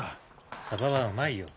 サバはうまいよ。